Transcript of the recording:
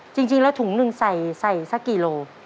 จริงแล้วถุงหนึ่งใส่สักกี่โล